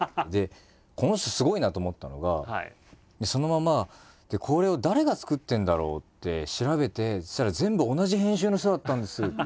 この人すごいなと思ったのがそのまま「これを誰が作ってるんだろう？って調べてそしたら全部同じ編集の人だったんです」って。